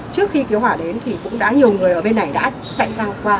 trước khi thiếu hỏa đến thì cũng đã nhiều người ở bên này đã chạy sang qua